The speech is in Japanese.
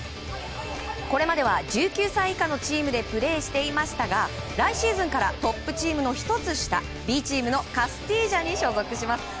これまでは１９歳以下のチームでプレーしていましたが来シーズンからトップチームの１つ下Ｂチームのカスティージャに所属します。